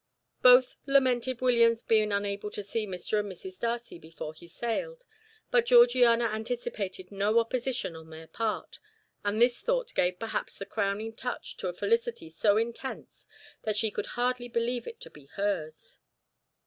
Both lamented William's being unable to see Mr. and Mrs. Darcy before he sailed, but Georgiana anticipated no opposition on their part, and this thought gave perhaps the crowning touch to a felicity so intense that she could hardly believe it to be hers.